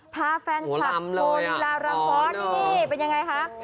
พาแฟนคลับโฮลาลัมพอร์ดเป็นยังไงคะ